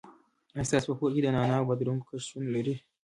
آیا ستاسو په کور کې د نعناع او بادرنګو کښت شتون لري؟